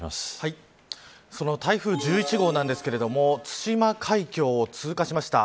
台風１１号なんですが対馬海峡を通過しました。